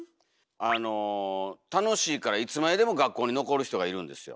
あの楽しいからいつまででも学校に残る人がいるんですよ。